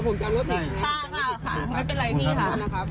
ขอขอบคุณนะครับ